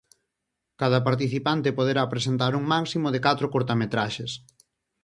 Cada participante poderá presentar un máximo de catro curtametraxes.